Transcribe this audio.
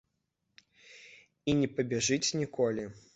І не пабяжыць ніколі.